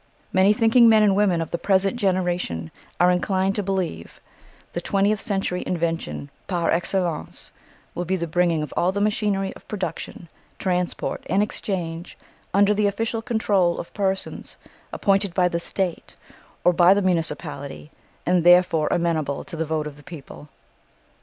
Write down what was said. Many thinking men and women of the present generation are inclined to believe the twentieth century invention par excellence will be the bringing of all the machinery of production, transport and exchange under the official control of persons appointed by the State or by the municipality, and therefore amenable to the vote of the people.